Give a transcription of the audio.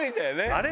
あれ？